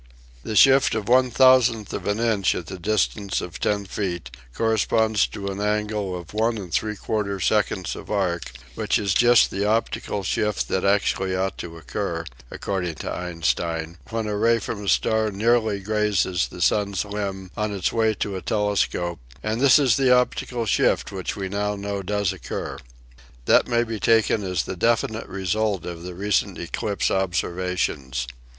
The shift of one thousandth of an inch at a distance of ten feet corresponds to an angle of one and three quarter seconds of arc, which is just the 70 EASY LESSONS IN EINSTEIN optical shift that actually ought to occur, according to Einstein, when a ray from a star nearly grazes the Sun's limb on its way to a telescope ; and this is the optical shift which we now know does occur. That may be taken as the definite result of the recent eclipse observations.